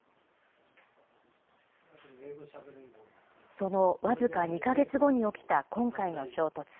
その僅か２か月後に起きた今回の衝突。